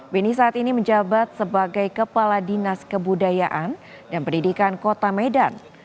beni saat ini menjabat sebagai kepala dinas kebudayaan dan pendidikan kota medan